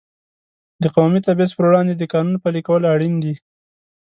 د قومي تبعیض پر وړاندې د قانون پلي کول اړین دي.